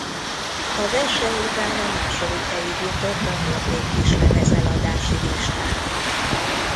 A verseny után a második helyig jutott a norvég kislemez eladási listán.